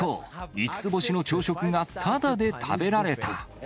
５つ星の朝食がただで食べられた。